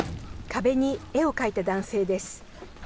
壁に絵を描いた男性です。